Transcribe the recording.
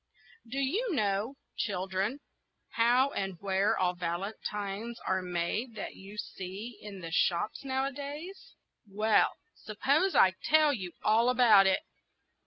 DO you know, children, how and where all the valentines are made that you see in the shops nowadays? Well, suppose I tell you all about it.